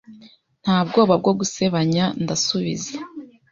Nta bwoba bwo gusebanya ndasubiza